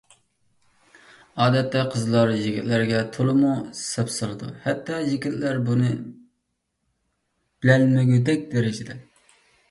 ئادەتتە قىزلار يىگىتلەرگە تولىمۇ سەپسالىدۇ. ھەتتا يىگىتلەر بۇنى بىلەلمىگۈدەك دەرىجىدە.